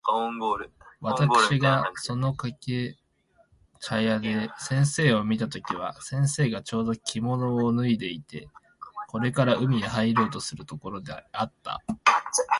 私（わたくし）がその掛茶屋で先生を見た時は、先生がちょうど着物を脱いでこれから海へ入ろうとするところであった。